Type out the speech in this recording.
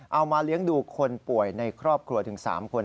เอามาเลี้ยงดูคนป่วยในครอบครัวถึง๓คน